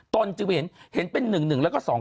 ตนจึงเห็นเป็น๑๑แล้วก็๒๙